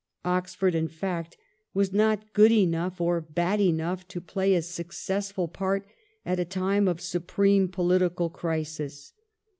Oxford, in fact, was not good enough or bad enough to play a successful part at a time of supreme political crisis.